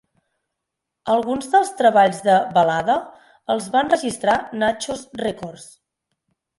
Alguns dels treballs de Balada els va enregistrar Naxos Records.